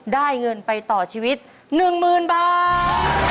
ได้เงินไปต่อชีวิต๑๐๐๐บาท